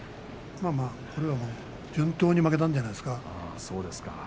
これは順当に負けたんじゃないですかね。